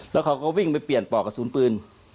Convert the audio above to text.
แล้วเขาก็วิ่งไปเปลี่ยนปอกกระสุนปืน